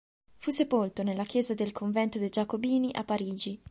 Fu sepolto nella chiesa del convento dei Giacobini a Parigi.